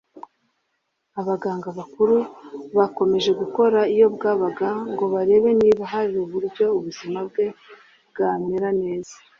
abaganga bakuru bakomeje gukora iyo bwabaga ngo barebe niba hari uburyo ubuzima bwe bwamera neza